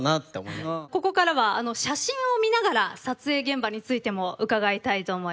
ここからは写真を見ながら撮影現場についても伺いたいと思います。